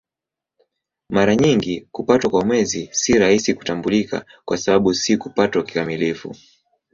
Mara nyingi kupatwa kwa Mwezi si rahisi kutambulika kwa sababu si kupatwa kikamilifu.